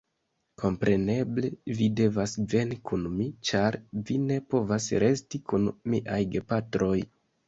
Kompreneble, vi devas veni kun mi, ĉar vi ne povas resti kun miaj gepatroj.